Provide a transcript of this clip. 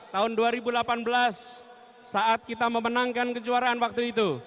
tahun dua ribu delapan belas saat kita memenangkan kejuaraan waktu itu